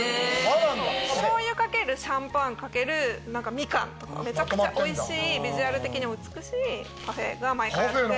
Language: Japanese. しょうゆ×シャンパン×ミカンとかめちゃくちゃおいしいビジュアル的に美しいパフェが毎回あって。